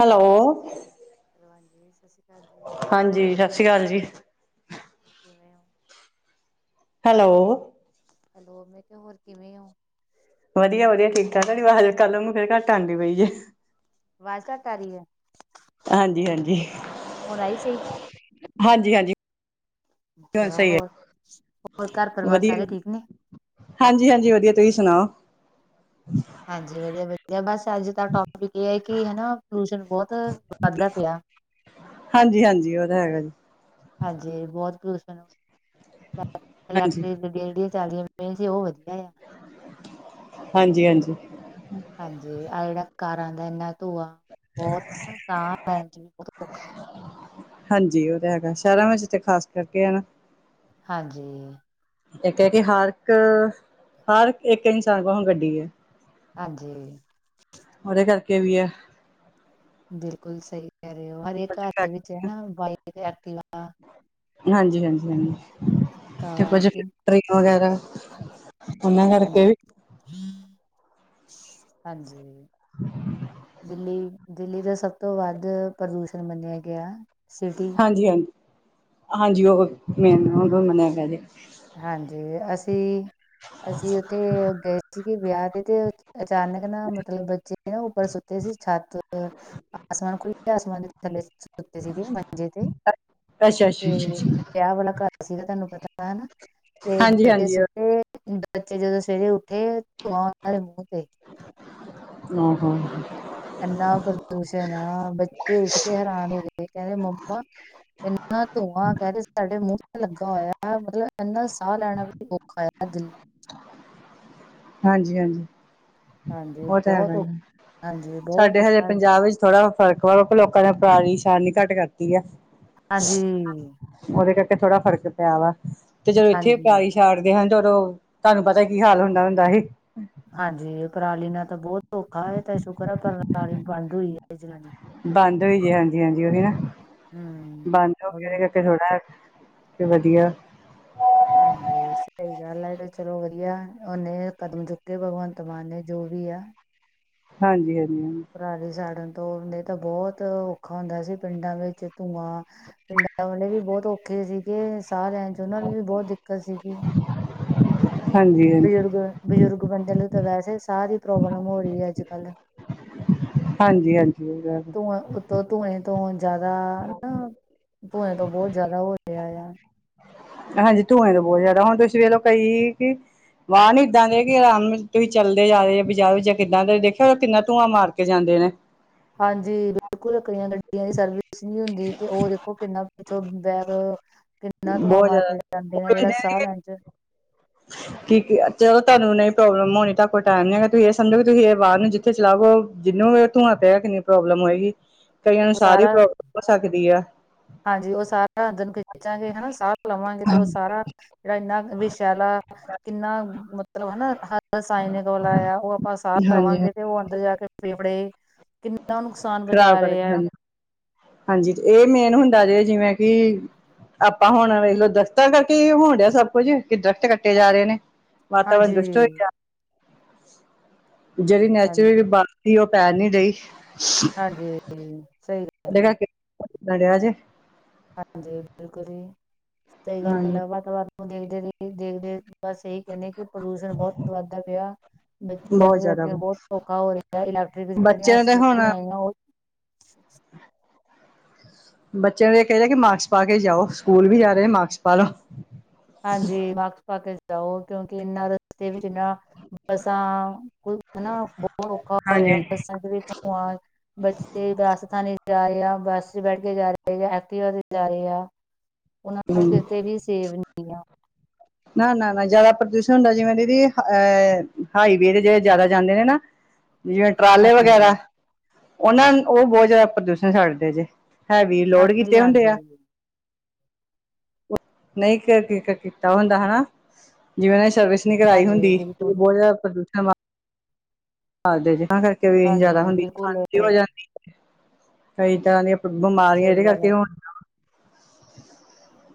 Hello. [inaudible] ਹੋਰ ਹਾਂਜੀ, ਸਤਿ ਸ਼੍ਰੀ ਅਕਾਲ ਜੀ। [inaudible] ਹੈਲੋ। ਹੈਲੋ, ਹੋਰ ਕਿਵੇਂ ਹੋ? ਵਧੀਆ ਵਧੀਆ ਠੀਕ-ਠਾਕ, ਤੁਹਾਡੀ ਅਵਾਜ਼ ਕੱਲ੍ਹ ਮਾਗੂ ਫਿਰ ਘੱਟ ਆਉਂਦੀ ਪਈ ਹੈ। ਅਵਾਜ਼ ਘੱਟ ਆ ਰਹੀ ਹੈ। ਹਾਂਜੀ-ਹਾਂਜੀ। ਹੁਣ ਆਈ ਸਹੀ? ਹਾਂਜੀ-ਹਾਂਜੀ। ਅੱਛਾ, ਹੋਰ, ਹੋਰ ਘਰ ਪਰਿਵਾਰ ਸਾਰੇ ਠੀਕ ਨੇ। ਹਾਂਜੀ-ਹਾਂਜੀ ਵਧੀਆ, ਤੁਸੀਂ ਸੁਣਾਓ? ਹਾਂਜੀ ਵਧੀਆ-ਵਧੀਆ ਬਸ ਅੱਜ ਦਾ ਟੋਪਿਕ ਇਹ ਹੈ, ਕਿ ਹਨਾ ਪੋਲੂਸ਼ਨ ਬਹੁਤ ਵੱਧਦਾ ਪਿਆ। ਹਾਂਜੀ, ਹਾਂਜੀ, ਉਹ ਤਾਂ ਹੈਗਾ ਜੀ। ਹਾਂਜੀ ਬਹੁਤ ਪ੍ਰਦੂਸ਼ਣ, ਇਲੈਕ ਹਾਂਜੀ ਰੇਹੜੀਆ ਚੱਲੀਆਂ ਪਈਆਂ ਸੀ, ਉਹ ਵਧੀਆ ਆ। ਹਾਂਜੀ-ਹਾਂਜੀ। ਹਾਂਜੀ, ਆਹ ਜਿਹੜਾ ਕਾਰਾਂ ਦਾ ਇੰਨਾ ਧੂੰਆ ਹੈ, ਇਸ ਕਰਕੇ ਸਾਹ ਲੈਣਾ ਵੀ ਬਹੁਤ ਔਖਾ ਹੋ ਜਾਂਦਾ ਹੈ। ਹਾਂਜੀ, ਉਹ ਤਾਂ ਹੈਗਾ, ਸ਼ਹਿਰਾਂ ਵਿੱਚ ਤਾਂ ਖ਼ਾਸ ਕਰਕੇ ਹੈਨਾ, ਹਾਂਜੀ। ਇੱਕ ਹੈ ਕਿ ਹਰ ਇੱਕ, ਹਰ ਇੱਕ ਇਨਸਾਨ ਕੋਲੋਂ ਗੱਡੀ ਹੈ। ਹਾਂਜੀ। ਉਹਦੇ ਕਰਕੇ ਵੀ ਹੈ, ਬਿਲਕੁਲ ਸਹੀ ਕਹਿ ਰਹੇ ਹੋ, ਹਰ ਇਕ ਘਰ ਵਿੱਚ ਹੇਨਾ ਵਈਟ ਐਕਟੀਵਾ। ਹਾਂਜੀ-ਹਾਂਜੀ-ਹਾਂਜੀ। ਤੇ ਇਹ ਫੈਕਟਰੀਆਂ ਵਗੈਰਾ, ਉਹਨਾਂ ਕਰਕੇ ਵੀ, ਹਾਂਜੀ, ਦਿੱਲੀ, ਦਿੱਲੀ ਦਾ ਸਭ ਤੋਂ ਵੱਧ ਪ੍ਰਦੂਸ਼ਣ ਮੰਨਿਆ ਗਿਆ। ਸਿਟੀ ਹਾਂਜੀ-ਹਾਂਜੀ, ਹਾਂਜੀ ਉਹ ਮੈਂ ਮੰਨਿਆ ਗਿਆ। ਹਾਂਜੀ, ਅਸੀਂ, ਅਸੀਂ ਉੱਥੇ ਗਏ ਸੀਗੇ ਵਿਆਹ ਤੇ ਅਚਾਨਕ ਨਾ ਮਤਲਬ ਬੱਚੇ ਨਾ ਉੱਪਰ ਸੁੱਤੇ ਸੀ ਛੱਤ ਆਸਮਾਨ ਖੁੱਲ ਆਸਮਾਨ ਦੇ ਥੱਲੇ ਸੁੱਤੇ ਸੀਗੇ ਮੰਜੇ ਤੇ ਅੱਛਾ ਅੱਛਾ ਤੇ ਅੱਛਾ ਵਿਆਹ ਵਾਲਾ ਘਰ ਸੀਗਾ ਤੁਹਾਨੂੰ ਪਤਾ ਹਨਾ, ਤੇ ਹਾਂਜੀ ਬੱਚੇ ਹਾਂਜੀ ਸੁੱਟੇ ਬੱਚੇ ਜਦੋਂ ਸਵੇਰੇ ਉੱਠੇ ਧੂੰਆ ਉਹਨਾਂ ਦੇ ਮੂੰਹ ਤੇ। ਆ ਹਾਂ, ਇੰਨਾ ਪ੍ਰਦੂਸ਼ਣ ਬੱਚੇ ਉੱਠ ਕੇ ਹੈਰਾਨ ਹੋ ਗਏ ਕਹਿੰਦੇ ਮੰਮਾ, ਇੰਨਾ ਧੂੰਆਂ ਕਹਿਦੇ ਸਾਡੇ ਮੂੰਹ ਤੇ ਲੱਗਾ ਹੋਇਆ ਮਤਲਬ ਇੰਨਾ ਸਾਹ ਲੈਣਾ ਵੀ ਔਖਾ ਆ ਦਿਲੀ ਹਾਂਜੀ-ਹਾਂਜੀ। ਹਾਂਜੀ, ਬਹੁਤ ਔਖ ਹਾਂਜੀ ਬਹੁਤ ਔਖਾ ਹੈ। ਉਹ ਵਿੱਚ ਥੋੜ੍ਹਾ ਫਰਕ ਵਾ ਕਿਉਕਿ ਲੋਕਾਂ ਨੇ ਬਾਰਿਸ਼ ਆਉਣੀ ਘੱਟ ਕਰਤੀ ਆ। ਹਾਂਜੀ ਉਹਦੇ ਕਰਕੇ ਥੋੜਾ ਫਰਕ ਪਿਆ ਵਾ, ਤੇ ਜਦੋਂ ਇੱਥੇ ਪਰਾਲੀ ਹਾਂਜੀ ਛੜਦੇ ਹਨ ਤੇ ਉਦੋਂ ਤੁਹਾਨੂੰ ਪਤਾ ਕੀ ਹਾਲ ਹੁੰਦਾ ਹੁੰਦਾ ਸੀ। ਹਾਂਜੀ, ਪਰਾਲੀ ਨਾਲ ਤਾਂ ਬਹੁਤ ਔਖਾ ਇਹ ਤਾਂ ਸ਼ੁਕਰ ਹੈ ਪਰਾਲੀ ਬੰਦ ਹੋਈ ਹੈ ਜਲਾਣੀ। ਬੰਦ ਹੋਈ ਦੀ ਹਾਂਜੀ- ਹਾਂਜੀ ਓਹੀ ਨਾ, ਹਮ ਬੰਦ ਹੋ ਕੇ ਨਾਲ- ਉਹਦੇ ਕਰਕੇ ਥੋੜਾ ਤੇ ਵਧੀਆ। ਹਾਂਜੀ, ਸਹੀ ਗੱਲ ਐ, ਐ ਤੇ ਚਲੋ ਵਧੀਆ, ਉਹਨੇ ਕਦਮ ਚੁੱਕੇ ਭਗਵੰਤ ਮਾਨ ਨੇ, ਜੋ ਵੀ ਆ। ਹਾਂਜੀ-ਹਾਂਜੀ-ਹਾਂਜੀ। ਪਰਾਲੀ ਸਾੜਨ ਤੋਂ, ਨਹੀਂ ਤਾਂ ਬਹੁਤ ਔਖਾ ਹੁੰਦਾ ਸੀ ਪਿੰਡਾਂ ਵਿੱਚ, ਧੂੰਆਂ ਪਿੰਡਾਂ ਵਾਲੇ ਵੀ ਬਹੁਤ ਔਖੇ ਸੀਗੇ, ਸਾਹ ਲੈਣ ਚ ਉਹਨਾਂ ਨੂੰ ਵੀ ਬਹੁਤ ਦਿੱਕਤ ਸੀਗੀ। ਹਾਂਜੀ ਹਾਂਜੀ ਬਜ਼ੁਰਗ, ਬਜ਼ੁਰਗ ਬੰਦਿਆਂ ਨੂੰ ਤਾਂ ਵੈਸੇ ਸਾਹ ਦੀ ਪ੍ਰੋਬਲਮ ਹੋ ਰਹੀ ਅੱਜ-ਕੱਲ। ਹਾਂਜੀ-ਹਾਂਜੀ, ਓਈ ਗੱਲ ਧੂੰਆਂ ਉੱਤੋਂ ਧੂੰਏ ਤੋਂ ਜ਼ਿਆਦਾ ਨਾ, ਧੂੰਏ ਤੋਂ ਬਹੁਤ ਜ਼ਿਆਦਾ ਓ ਹੋ ਰਿਹਾ ਆ। ਹਾਂਜੀ, ਧੂੰਏ ਤੋਂ ਬਹੁਤ ਜ਼ਿਆਦਾ ਹੁੰਦਾ, ਹੁਣ ਤੁਸੀਂ ਵੇਖ ਲਓ ਕਈ ਵਾਹਨ ਈ ਇੱਦਾਂ ਦੇ ਕਿ ਆਰਾਮ ਤੁਸੀਂ ਚੱਲਦੇ ਜਾ, ਰੇ ਬਜਾਰੋਂ ਜਾਂ ਕਿੱਦਾਂ ਦੇ ਦੇਖਿਆ, ਕਿੰਨਾ ਧੂੰਆਂ ਮਾਰ ਕੇ ਜਾਂਦੇ ਨੇ। ਹਾਂਜੀ, ਬਿਲਕੁਲ, ਕਈਆਂ ਗੱਡੀਆਂ ਦੀ ਸਰਵਿਸ ਨਹੀਂ ਹੁੰਦੀ ਤੇ ਉਹ ਦੇਖੋ ਕਿੰਨਾ ਇੱਥੋਂ ਬੈਕ ਕਿੰਨਾ ਧੂੰਆਂ ਬਹੁਤ ਮਾਰ ਕੇ ਜਾਂਦੇ ਨੇ, ਜਿਹੜਾ ਸਾਹ ਲੈਣ ਚ ਕਿ-ਕਿ, ਚਲੋ ਤੁਹਾਨੂੰ ਨਹੀਂ ਪ੍ਰੋਬਲਮ ਹੋਣੀ, ਤਾ ਕੋਲ ਟਾਈਮ ਨੀ ਹੈਗਾ, ਤੁਸੀਂ ਇਹ ਸੰਡੇ ਵੀ ਤੁਸੀਂ ਇਹ ਵਾਰ ਨੂੰ ਜਿ ਉੱਥੇ ਚਲਾਵੋ, ਜਿੰਨੂੰ ਵੀ ਧੂੰਆਂ ਤੇ ਹੈ, ਕਿੰਨੀ ਪ੍ਰੋਬਲਮ ਹੋਏਗੀ। ਕਈਆਂ ਨੂੰ ਉਹ ਸਾਹ ਦੀ ਸਾਰਾ ਪ੍ਰੋਬਲਮ ਹੋ ਸਕਦੀ ਐ। ਹਾਂਜੀ, ਉਹ ਸਾਰਾ ਅੰਦਨ ਖਿੱਚਾਂਗੇ ਹੈਨਾ, ਸਾਹ ਲਵਾਂਗੇ ਤੇ ਉਹ ਸਾਰਾ ਜਿਹੜਾ ਇੰਨਾ ਵਿਸ਼ ਸ਼ੈਲਾ ਕਿੰਨਾ ਮਤਲਬ ਹਨਾ, ਸਾਈਨ ਕੋਲ ਆਇਆ ਉਹ ਆਪਾਂ ਸਾਰ ਹਾਂਜੀ ਲਵਾਂਗੇ। ਤੇ ਉਹ ਅੰਦਰ ਜਾ ਕੇ ਫੇਫੜੇ ਕਿੰਨਾ ਨੂੰ ਖ਼ਰਾਬ ਕਰਕੇ ਹਾਂਜੀ, ਤੇ ਇਹ ਮੇਨ ਹੁੰਦਾ ਜੇ ਜਿਵੇਂ ਕਿ ਆਪਾਂ ਹੁਣ ਵੇਖਲੋ ਦਰਖਤਾਂ ਕਰਕੇ ਹੋਣ ਡਿਆ, ਸਭ ਕੁੱਝ ਕਿ ਦਰਖਤ ਕੱਟੇ ਜਾ ਰਹੇ ਨੇ। ਵਾਤਾਵਰਨ ਹਾਂਜੀ ਦੁਸ਼ਟ ਹੋਏ ਗਿਆ, ਜਿਹੜੀ ਹਾਂਜੀ ਨੈਚੁਰਲੀ ਬਾ ਕੀ ਉਹ ਪੈ ਨੀ ਰਹੀ? ਹਾਂਜੀ-ਹਾਂਜੀ, ਸਹੀ ਗੱਲ ਆ [unintelligible] ਹਾਂਜੀ, ਬਿਲਕੁਲ ਜੀ, ਸਹੀ ਗੱਲ ਹਾਂਜੀ ਹੈ, ਵਾਤਾਵਰਨ ਓ ਦੇਖਦੇ-ਦੇਖਦੇ ਬਸ ਇਹੀ ਕਹਿੰਦੇ ਕਿ ਪ੍ਰਦੂਸ਼ਣ ਬਹੁਤ ਵੱਧਦਾ ਪਿਆ। ਬੱਚਿਆਂ ਬਹੁਤ ਨੂੰ ਵੀ ਜ਼ਿਆਦਾ ਅੱਗੇ ਵਾ ਬਹੁਤ ਓਖਾ ਹੋ ਰਿਹਾ, ਇਲੈਕਟ੍ਰਿਕ ਜਿਹੜੀਆਂ ਬੱਚਿਆਂ ਦੇ ਹੁਣ ਸਕੂਟੀਆਂ ਆਈਆਂ ਉਹ ਵੀ [unintelligible] ਬੱਚਿਆਂ ਨੂੰ ਇਹ ਕਹੀ ਦਾ ਕਿ ਮਾਰਕਸ ਪਾ ਕੇ ਜਾਓ, ਸਕੂਲ ਵੀ ਜਾ ਰਹੇ ਮਾਰਕਸ ਪਾ ਲਓ। ਹਾਂਜੀ, ਮਾਸਕ ਪਾ ਕੇ ਜਾਓ ਕਿਉਂਕਿ ਇਨਾਂ ਰਸਤੇ ਵਿੱਚ ਇਨਾ, ਬੱਸਾਂ ਹੈਨਾ, ਬਹੁਤ ਔਖਾ ਹੋ ਰਿਹਾ ਹਾਂਜੀ। ਬੱਸਾਂ ਚ ਵੀ ਧੂੰਆਂ ਬੱਚੇ ਦੱਸ ਥਾਨੇ ਜਾ ਰਹੇ ਆ, ਬੱਸ ਚ ਬੈਠ ਕੇ ਜਾ ਰਹੇ ਆ, ਐਕਟਿਵਾ ਤੇ ਜਾ ਰਹੇ ਆ ਉਹਨਾ ਹੂੰ [unintelligible] ਕਿਤੇ ਵੀ ਸੇਵ ਨੀਂ। ਨਾ-ਨਾ-ਨਾ, ਜ਼ਿਆਦਾ ਪ੍ਰਦੂਸ਼ਣ ਹੁੰਦਾ ਜਿਵੇਂ ਦੀਦੀ ਅ ਹਾਈਵੇ ਦੇ ਜਿਹੜੇ ਜ਼ਿਆਦਾ ਜਾਂਦੇ ਨੇ ਨਾ ਜਿਵੇਂ ਟਰਾਲੇ ਵਗੈਰਾ, ਹਾਂਜੀ ਉਹਨਾਂ-ਉਹ ਬਹੁਤ ਜ਼ਿਆਦਾ ਪ੍ਰਦੂਸ਼ਣ ਛਡਦੇ ਜੇ। ਹੈਵੀ ਲੋੜ ਹਾਂਜੀ ਕੀਤੇ ਹੁੰਦੇ ਹਾਂਜੀ ਆ, ਨਹੀਂ ਕਕੇ ਕ ਉਹ ਹੁੰਦਾ ਹੈਨਾ, ਜਿਵੇਂ ਉਹਨੇ ਸਰਵਿਸ ਨਹੀਂ ਕਰਵਾਈ ਹਾਂਜੀ ਹੁੰਦੀ, ਬਿਲਕੁਲ ਬਹੁਤ ਜ਼ਿਆਦਾ ਪ੍ਰਦੂਸ਼ਣ ਹਾਂਜੀ ਜੀ, ਤਾਂ ਕਰਕੇ ਵੀ ਹਾਂਜੀ ਜਿਆਦਾ ਹੁੰਦੀ, ਬਿਲਕੁਲ ਹੋ ਜਾਂਦੀ ਕਈ ਤਰ੍ਹਾਂ ਦੀਆਂ ਬਿਮਾਰੀਆਂ ਸਹੀ ਇਹਦੇ ਗੱਲ ਕਰਕੇ ਹੈ ਹੁਣ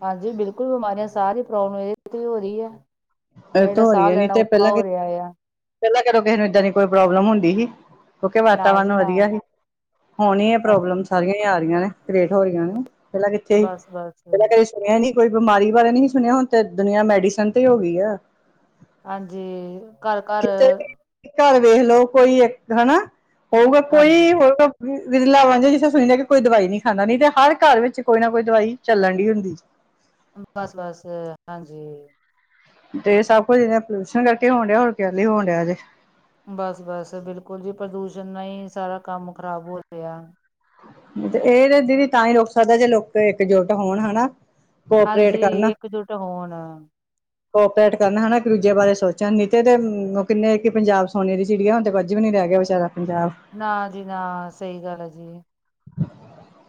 ਹਾਂਜੀ ਬਿਲਕੁਲ, ਬਿਮਾਰੀਆਂ, ਸਾਹ ਦੀ ਪ੍ਰੋਬਲਮ ਇਹਦੇ ਤੇ ਹੋ ਰੀ ਐ। ਇਹ ਜੇੜਾ ਤੋਂ ਹੋ ਰਹੀ ਸਾਹ ਹੈ ਨੀ ਲੈਣਾ ਤੇ ਔਖਾ ਪਹਿਲਾਂ ਹੋ ਰਿਆ ਯਾ। ਪਹਿਲਾਂ ਕਦੋ ਕਿਸੇ ਨੂੰ ਏਦਾਂ ਦੀ ਕੋਈ ਪ੍ਰੋਬਲਮ ਹੁੰਦੀ ਸੀ? ਕਿਉਂਕਿ ਨਾ ਵਾਤਾਵਰਨ ਜੀ ਨਾ ਵਧੀਆ ਹੀ, ਹੁਣ ਈ ਇਹ ਹਾਂਜੀ ਪ੍ਰੋਬਲਮ ਸਾਰੀਆਂ ਹੀ ਆ ਰਹੀਆਂ ਨੇ। ਕਰੇਟ ਹੋ ਰੀਆਂ ਨੇ, ਪਹਿਲਾਂ ਕਿੱਥੇ ਹੀ? ਬਸ ਪਹਿਲਾਂ ਬਸ ਕਦੀ ਸੁਣਿਆ ਨੀ। ਕੋਈ ਬਿਮਾਰੀ ਬਾਰੇ ਨਹੀਂ ਸੀ ਸੁਣਿਆ, ਹੁਣ ਤੇ ਦੁਨੀਆਂ ਮੈਡੀਸਨ ਤੇ ਹੋ ਗਈ ਆ। ਹਾਂਜੀ। ਘਰ-ਘਰ ਕਿੱਥੇ ਵੀ ਘਰ ਵੇਖ ਲਓ ਕੋਈ ਇੱਕ, ਹੈਨਾ। ਹੋਊਗਾ ਹਾਂਜੀ ਕੋਈ ਹੋਊਗਾ ਵੀ ਵਿਰਲਾ ਵਾਂ ਜੇ ਜਿੱਥੇ ਸੁਣਿਆ ਕਿ ਕੋਈ ਦਵਾਈ ਨੀ ਖਾਂਦਾ, ਨੀ ਤੇ ਹਰ ਘਰ ਵਿੱਚ ਕੋਈ ਨਾ ਕੋਈ ਦਵਾਈ ਚੱਲਣ ਡੀ ਹੁੰਦੀ ਜੀ। ਬਸ- ਬਸ, ਹਾਂਜੀ। ਤੇ ਸਭ ਕੁੱਝ ਇਹੇ ਪੋਲਿਊਸ਼ਨ ਕਰਕੇ ਹੋਣ ਡਿਆ, ਹੋਰ ਕੇ ਹੀ ਹੋਣ ਡਿਆ ਜੇ ਬਸ-ਬਸ ਬਿਲਕੁਲ ਜੀ ਪ੍ਰਦੂਸ਼ਣ ਨਾਲ ਹੀ ਸਾਰਾ ਕੰਮ ਖਰਾਬ ਹੋ ਰਿਹਾ। ਤੇ ਇਹ ਤੇ ਦੀਦੀ ਤਾਂ ਹੀ ਰੁਕ ਸਕਦਾ ਜੇ ਲੋਕ ਇਕਜੁੱਟ ਹੋਣ ਹਨਾ। ਕੋਆਪਰੇਟ ਹਾਂਜੀ ਇਕਜੁੱਟ ਹੋਣ। ਕੋਪਰੇਟ ਕਰਨਾ ਹਨਾ ਇਕ ਦੂਜੇ ਬਾਰੇ ਸੋਚਣ ਨਹੀ ਤੇ ਤੇ ਉਹ ਕਿਨੇ ਕਿ ਪੰਜਾਬ ਸੋਨੇ ਦੀ ਚਿੜੀ ਹੁਣ ਤੇ ਕੁਝ ਵੀ ਨੀ ਰਹਿ ਗਿਆ। ਜ਼ਾਰਾ ਪੰਜਾਬ ਨਾ ਜੀ ਨਾ ਸਹੀ ਗੱਲ ਹੈ ਜੀ।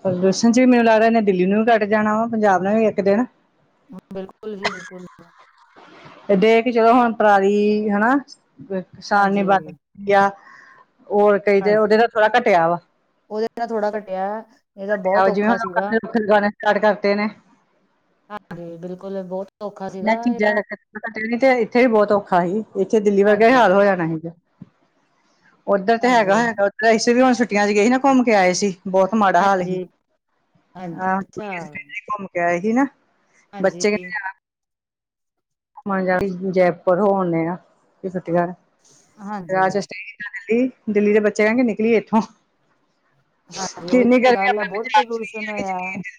ਪ੍ਰਦੂਸ਼ਣ 'ਚ ਵੀ ਮੈਨੂੰ ਲੱਗਦਾ ਇਹਨੇ ਦਿੱਲੀ ਨੂੰ ਵੀ ਕੱਟ ਜਾਣਾ ਵਾ ਪੰਜਾਬ ਨਾਲ ਵੀ ਇਕ ਦਿਨ। ਬਿਲਕੁਲ ਜੀ ਬਿਲਕੁਲ। [unintelligible] ਦੇਖ ਕੇ ਚਲੋ ਹੁਣ ਪਰਾਲੀ ਹਨਾ, ਕਿਸਾਨ ਹਾਂਜੀ ਨੇ ਬੰਦ ਕੀਤੀ ਆ। ਹੋਰ ਕਈ ਤੇ ਹਾਂ ਉਹਦੇ ਨਾਲ ਥੋੜਾ ਘਟਿਆ ਵਾ। ਉਹਦੇ ਨਾਲ ਥੋੜ੍ਹਾ ਘਟਿਆ ਨਹੀ ਤਾਂ ਬਹੁਤ ਔਖਾ ਸੀਗਾ। ਫਿਰ ਗਾਣੇ ਸਟਾਰਟ ਕਰਤੇ ਨੇ। ਹਾਂਜੀ ਬਿਲਕੁਲ ਬਹੁਤ ਸੌਖਾ ਸੀਗਾ ਇਹ ਦਿੱਲੀ ਤੇ ਇਥੇ ਵੀ ਬਹੁਤ ਔਖਾ ਸੀ ਇਥੇ ਦਿੱਲੀ ਵਰਗਾ ਹਾਂਜੀ ਹਾਲ ਹੋ ਜਾਣਾ ਸੀਗਾ। [inaudible] ਉੱਧਰ ਤੇ ਹਾਂਜੀ ਹੈਗਾ ਹੈਗਾ ਉਧਰ ਅਸੀਂ ਵੀ ਹੁਣ ਛੁੱਟੀਆਂ ਚ ਗਏ ਸੀ ਨਾ ਘੁੰਮ ਕੇ ਆਏ ਸੀ, ਬਹੁਤ ਮਾੜਾ ਹਾਲ ਸੀ। ਹਾਂਜੀ ਹਾਂਜੀ, ਅੱਛਾ। ਗਏ ਸੀ ਨਾ। ਹਾਂਜੀ ਮਨ ਜਾ ਜੈਪੁਰ ਹੋ ਆਉਨੇ ਆ ਛੁਟੀਆਂ ਰਾਜ ਹਾਂਜੀ ਦਿੱਲੀ ਦਿੱਲੀ ਦੇ ਬੱਚੇ ਕਹਿਣ ਕੇ ਨਿਕਲੀਏ ਇਥੋ। ਹਾਂਜੀ ਉਹੀ ਤਾਂ ਗੱਲ ਆ ਆਪਣੇ ਬਹੁਤ ਪੰਜਾਬ ਚ ਨਹੀਂ ਪ੍ਰਦੂਸ਼ਣ ਹੈਗੀ ਹੋਇਆ। ਜਿੰਨੀ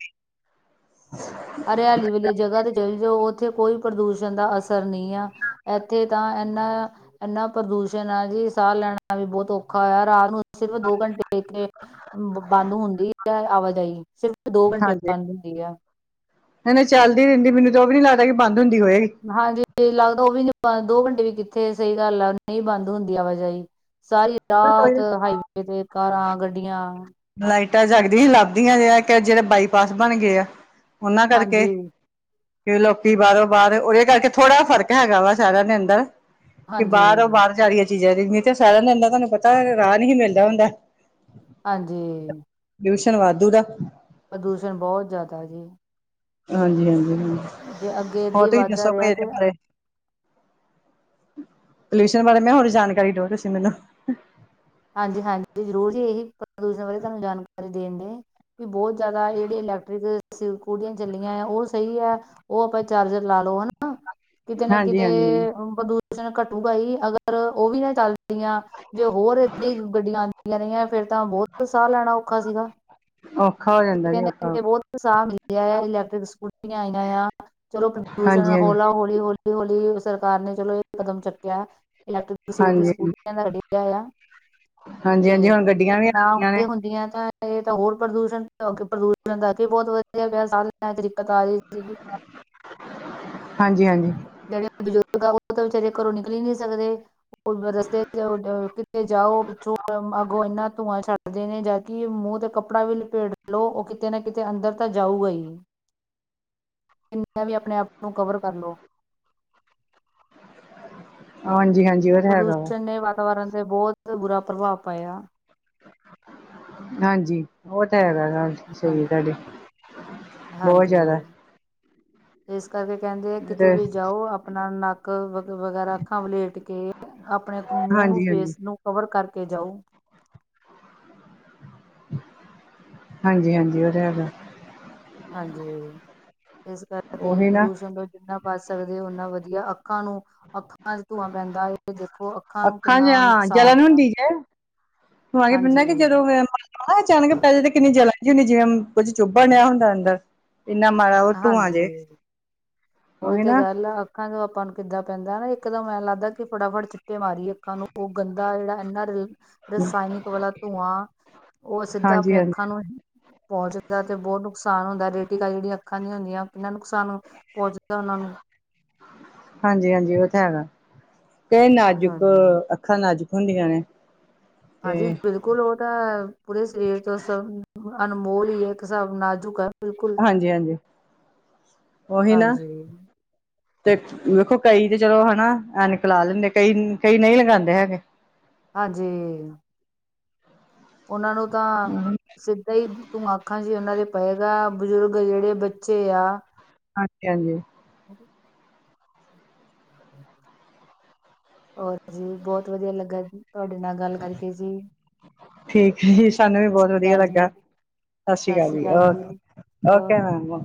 ਹਰਿਆਲੀ ਵਾਲੀ ਜਗ੍ਹਾ ਤੇ ਚਲੇ ਜਾਓ ਉਥੇ ਕੋਈ ਪ੍ਰਦੂਸ਼ਣ ਦਾ ਅਸਰ ਨਹੀ। ਇਥੇ ਤਾਂ ਇਨਾ ਇਨਾ ਪ੍ਰਦੂਸ਼ਣ ਆ ਜੀ ਸਾਹ ਲੈਣਾ ਵੀ ਬਹੁਤ ਔਖਾ ਹੋਇਆ ਰਾਤ ਨੂੰ ਸਿਰਫ ਦੋ ਘੰਟੇ ਦੇ ਕੇ [inaudible] ਬੰਦ ਹੁੰਦੀ ਜਾਂ ਆਵਾਜਾਈ, ਸਿਰਫ ਦੋ ਘੰਟੇ ਬੰਦ ਹੁੰਦੀ ਆ। ਨਹੀ-ਨਹੀ ਚੱਲਦੀ ਰਹਿਦੀ ਮੈਨੂੰ ਤਾਂ ਉਹ ਵੀ ਨੀ ਲੱਗਦਾ ਕਿ ਬੰਦ ਹੁੰਦੀ ਹੋਏਗੀ। ਹਾਂਜੀ ਲੱਗਦਾ ਉਹ ਵੀ ਦੋ ਘੰਟੇ ਵੀ ਕਿਥੇ ਸਹੀ ਗੱਲ ਆ ਨਹੀ ਬੰਦ ਹੁੰਦੀ ਆਵਾਜਾਈ। ਸਾਰੀ ਰਾਤ ਹਾਈਵੇ ਤੇ ਕਾਰਾਂ, ਗੱਡੀਆਂ। ਲਾਈਟਾਂ ਜਗਦੀਆਂ ਲੱਭਦੀਆਂ ਜੇ ਜਿਹੜੇ ਬਾਈਪਾਸ ਬਣ ਗਏ ਆ। ਉਹਨਾਂ ਕਰਕੇ ਹਾਂਜੀ ਕਿ ਲੋਕੀ ਬਾਹਰੋਂ ਬਾਹਰ ਉਹਦੇ ਕਰਕੇ ਥੋੜਾ ਫ਼ਰਕ ਹੈਗਾ ਵਾ ਸ਼ਹਿਰਾਂ ਦੇ ਅੰਦਰ। ਕਿ ਬਾਹਰ ਉਹ ਹਾਂਜੀ ਬਾਹਰ ਜਾ ਰਹੀਏ ਚੀਜ਼ਾਂ ਤੇ ਤੇ ਸਾਰਿਆਂ ਨੂੰ ਇਨਾ ਤੁਹਾਨੂੰ ਪਤਾ ਰਾਹ ਨਹੀ ਮਿਲਦਾ ਹੁੰਦਾ। ਹਾਂਜੀ ਪਲਿਊਸ਼ਨ ਵਾਧੂ ਦਾ। ਪ੍ਰਦੂਸ਼ਣ ਬਹੁਤ ਜ਼ਿਆਦਾ ਜੀ। ਹਾਂਜੀ-ਹਾਂਜੀ ਹਾਂ ਜੇ ਅੱਗੇ ਏਦਾਂ ਹੋਰ ਹੀ ਤੁਸੀ ਵੱਧਦਾ ਦਸੋ ਕੋ ਰਿਹਾ ਇਹਦੇ ਤੇ ਬਾਰੇ। ਪੋਲਿਊਸ਼ਨ ਬਾਰੇ ਮੈਂ ਹੋਰ ਜਾਣਕਾਰੀ ਦਿਉ ਤੁਸੀ ਮੈਨੂੰ। ਹਾਂਜੀ-ਹਾਂਜੀ ਜ਼ਰੂਰ ਜੀ ਇਹੀ ਪ੍ਰਦੂਸ਼ਣ ਬਾਰੇ ਤੁਹਾਨੂੰ ਜਾਣਕਾਰੀ ਦੇਣ ਦੇ। ਬਹੁਤ ਜ਼ਿਆਦਾ ਜਿਹੜੀ ਇਲੈਕਟ੍ਰਿਕਿਵ ਸਕੂਟੀਆਂ ਚੱਲੀਆਂ ਹੈ ਉਹ ਸਹੀ ਹੈ। ਉਹ ਆਪਾਂ ਚਾਰਜਰ ਲਾ ਲੋ ਹਨਾ ਕਿਤੇ ਨਾ ਹਾਂਜੀ ਕਿਤੇ ਹਾਂਜੀ ਹਾਂਜੀ ਆਪਾਂ ਦੂ ਪ੍ਰਦੂਸ਼ਣ ਘਟੂਗਾ ਹੀ ਅਗਰ ਉਹ ਵੀ ਨਾ ਚੱਲਦੀਆਂ ਜੇ ਹੋਰ ਏਥੇ ਗੱਡੀਆਂ ਆਉਂਦੀਆਂ ਰਹੀਆਂ ਫੇਰ ਤਾਂ ਬਹੁਤ ਸਾਹ ਲੈਣਾ ਔਖਾ ਸੀਗਾ। ਔਖਾ ਜਾਂਦਾ ਜੀ ਔਖਾ ਕਿਦੇ ਬਹੁਤ ਉਤ ਸਾਹ ਮਿਲਿਆ ਇਲੈਕਟ੍ਰਿਕ ਸਕੂਟੀਆਂ ਆਈਆਂ ਆ। ਚਲੋ ਹਾਂਜੀ ਪ੍ਰਦੂਸ਼ਣ ਹਾਂਜੀ ਹੌਲਾ ਹੌਲੀ-ਹੌਲੀ ਹੌਲੀ-ਹੌਲੀ ਸਰਕਾਰ ਨੇ ਚਲੋ ਇਹ ਕਦਮ ਚੁੱਕਿਆ ਇਲੈਕਟ੍ਰਿਕ ਸਕੂਟਰ ਹਾਂਜੀ ਸਕੂਟੀਆ ਦਾ ਆ, ਹਾਂਜੀ ਤੇ ਹਾਂਜੀ ਹੁਣ ਗੱਡੀਆਂ ਵੀ ਆ ਨਾ ਗਈਆਂ ਨੇ ਇਹ ਹੁੰਦੀਆਂ ਤਾਂ ਇਹ ਤਾਂ ਹੋਰ ਪ੍ਰਦੂਸ਼ਣ, ਪ੍ਰਦੂਸ਼ਣ ਦਾ ਅਗੇ ਬਹੁਤ ਵਧਇਆ ਪਿਆ, ਸਾਰੀ ਐ ਤੇ, ਦਿੱਕਤ ਆ ਰਹੀ ਸੀ ਹਾਂਜੀ ਹਾਂਜੀ ਜਿਹੜੇ ਬਜ਼ੁਰਗ ਆ, ਉਹ ਤਾਂ ਵਿਚਾਰੇ ਘਰੋਂ ਨਿਕਲ ਈ ਨਹੀਂ ਸਕਦੇ ਰਸਤੇ ਚ ਕਿਤੇ ਜਾਓ, ਪਿੱਛੋਂ ਅਗੋਂ ਇਨਾ ਧੂੰਆਂ ਛੱਡ ਕਰਦੇ ਨੇ, ਜਦਕਿ ਮੂੰਹ ਤੇ ਕੱਪੜਾ ਵੀ ਲਪੇੜ ਲਓ, ਉਹ ਕਿਤੇ ਨਾ ਕਿਤੇ ਅੰਦਰ ਤਾਂ ਜਾਊਗਾ ਹੀ ਕਿੰਨਾ ਵੀ ਆਪਣੇ ਆਪ ਨੂੰ ਕਵਰ ਕਰ ਲੋ ਹਾਂਜੀ ਹਾਂਜੀ ਉਹ ਤਾਂ ਹੈਗਾ ਵਾ ਪ੍ਰਦੂਸ਼ਣ ਨੇ, ਵਾਤਾਵਰਨ ਤੇ ਬਹੁਤ ਬੁਰਾ ਪ੍ਰਭਾਵ ਪਾਇਆ ਹਾਂਜੀ, ਉਹ ਤਾਂ ਹੈਗਾ ਹੈ ਹਾਂ ਸਹੀ ਤੁਹਾਡੀੇ, ਬਹੁਤ ਜ਼ਿਆਦਾ ਹਾਂਜੀ। ਇਸ ਕਰਕੇ ਕਹਿੰਦੇ ਆ, ਕਿਤੇ ਤੇ ਵੀ ਜਾਓ ਆਪਣਾ ਨੱਕ ਵਗੈਰਾ ਅੱਖਾਂ ਵਲੇਟ ਕੇ, ਆਪਣੇ ਮੂੰਹ ਨੂੰ ਹਾਂਜੀ ਹਾਂਜੀ ਫੇਸ ਨੂੰ, ਕਵਰ ਕਰਕੇ ਜਾਊ ਹਾਂਜੀ ਹਾਂਜੀ, ਉ ਤੇ ਹੈਗਾ ਹਾਂਜੀ, ਇਸ ਕਰਕੇ ਉਹੀ ਨਾ ਪ੍ਰਦੂਸ਼ਣ ਤੋਂ ਜਿੰਨਾ ਬੱਚ ਸਕਦੇ ਹੋ, ਊਨਾ ਵਧੀਆ, ਅੱਖਾਂ ਨੂੰ ਅੱਖਾਂ ਚ ਧੂੰਆਂ ਪੈਂਦਾ ਹੈ। ਔ ਦੇਖੋ ਅੱਖਾਂ ਜ ਜਲਣ ਆ ਹੁੰਦੀ ਜੇ, ਧੂਆਂ ਕੇ ਪੈਂਦਾ, ਕਿ ਹਾਂਜੀ ਜਦੋ ਆ ਅਚਾਨਕ ਪਹਿਲੇ ਤਾਂ ਕਿਨੀ ਜਲਦੀ ਹੁੰਦੀ, ਜਿਵੇ ਕੁੱਝ ਚੁੱਭਣ ਨਿਆਹਾ ਹੁੰਦਾ ਅੰਦਰ ਇਨਾ ਮਾੜਾ ਉਹ ਧੂਆਂ ਹਾਂਜੀ ਜੇ, ਔ ਉਹੀ ਹੀ ਤੇ ਨਾ- ਗੱਲ ਆ ਅੱਖਾਂ ਜੋ ਆਪਾਂ ਨੂੰ ਕਿਦਾਂ ਪੈਂਦਾ, ਨਾ ਇਕਦਮ ਐ ਲਗਦਾ, ਕਿ ਫਟਾਫਟ ਛਿਟੇ ਮਾਰੀਏ ਅੱਖਾਂ ਨੂੰ, ਉਹ ਗੰਦਾ ਜਿਹੜਾ ਇਨਾ ਰ ਰਸਾਇਣਿਕ ਵਾਲਾ ਧੂੰਆਂ, ਉਹ ਸਿੱਧਾ ਹਾਂਜੀ ਆਪਣੇ ਹਾਂਜੀ ਅੱਖਾਂ ਸਾਨੂੰ ਪਹੁੰਚਦਾ, ਤੇ ਬਹੁਤ ਨੁਕਸਾਨ ਹੁੰਦਾ ਜ ਜਿਹੜੀਆਂ ਅੱਖਾਂ ਨਹੀਂ ਹੁੰਦੀਆਂ, ਕਿੰਨਾਂ ਨੁਕਸਾਨ ਪਹੁੰਚਦਾ ਉਹਨਾਂ ਨੂੰ ਹਾਂਜੀ ਹਾਂਜੀ, ਉਹ ਤੇ ਹੈਗਾ, ਏ ਨਾਜੁਕ ਹਾਂਜੀ। ਅੱਖਾਂ ਨਾਜੁਕ ਹੁੰਦੀਆਂ ਨੇ ਹਾਂਜੀ ਤੇ ਬਿਲਕੁਲ, ਉਹ ਤਾਂ ਪੂਰੇ ਸਰੀਰ ਤੋਂ ਸਭ ਅਨਮੋਲ ਹੀ ਹੈ, ਇੱਕ ਸਾਬ ਨਾਜ਼ੁਕ ਹੈ ਬਿਲਕੁਲ ਹਾਂਜੀ ਹਾਂਜੀ, ਔ ਹੀ ਨਾ ਹਾਂਜੀ ਤੇ ਵੇਖੋ ਕਈ ਤੇ ਚਲੋ ਹੈਨਾ ਐਨਿਕ ਲਾ ਲੈਂਦੇ, ਕਈ ਕਈ ਨਹੀਂ ਲਗਾਉਂਦੇ ਹੈਗੇ ਹਾਂਜੀ ਉਹਨਾਂ ਨੂੰ ਤਾਂ, ਸਿੱਧਾ ਹੀ ਧੂਆਂ ਅੱਖਾਂ ਹੀ ਉਹਨਾਂ ਦੇ ਪਏਗਾ, ਬਜ਼ੁਰਗ ਜਿਹੜੇ ਬੱਚੇ ਆ ਹਾਂਜੀ ਹਾਂਜੀ ਹਾਂਜੀ ਹੋਰ ਜੀ ਬਹੁਤ ਵਧੀਆ ਲੱਗਾ ਜੀ, ਤੁਹਾਡੇ ਨਾਲ ਗੱਲ ਕਰਕੇ ਜੀ ਠੀਕ ਜੀ ਸਾਨੂੰ ਵੀ ਸਤਿ ਬਹੁਤ ਸ੍ਰੀ ਵਧੀਆ ਅਕਾਲ ਲੱਗਾ, ਜੀ ਸਤਿ ਸ੍ਰੀ ਅਕਾਲ ਜੀ, ਔ ਓਕੇ ਕੇ